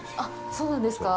そうなんですか。